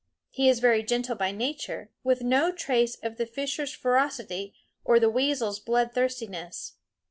He is very gentle by nature, with no trace of the fisher's ferocity or the weasel's bloodthirstiness.